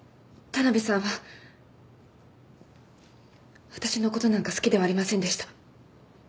田辺さんは私のことなんか好きではありませんでした。